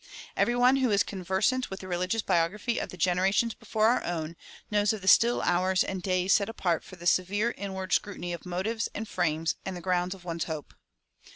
Every one who is conversant with the religious biography of the generations before our own, knows of the still hours and days set apart for the severe inward scrutiny of motives and "frames" and the grounds of one's hope.